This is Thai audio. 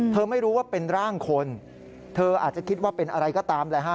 ไม่รู้ว่าเป็นร่างคนเธออาจจะคิดว่าเป็นอะไรก็ตามแหละฮะ